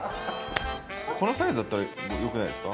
このサイズだったらよくないですか？